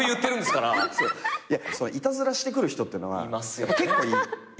いたずらしてくる人っていうのは結構いるよね。